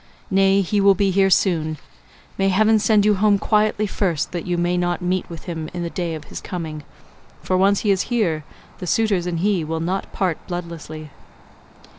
Nay, he will be here soon; may heaven send you home quietly first that you may not meet with him in the day of his coming, for once he is here the suitors and he will not part bloodlessly."